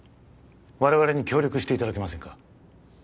我々に協力していただけませんか